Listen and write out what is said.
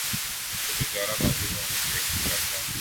وہ بیچارہ معزز ہونے کی ایکٹنگ کرتا